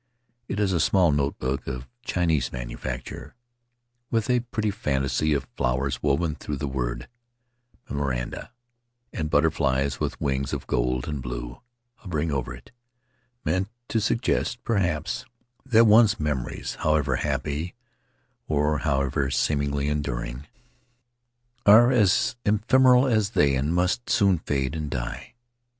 It is a small notebook of Chinese manufacture, with a pretty fantasy of flowers woven through the word "Memoranda," and butterflies with wings of gold and blue hovering over it, meant to suggest, perhaps, that one's memories, however happy or however seemingly enduring, are as ephemeral as they and must soon fade and die.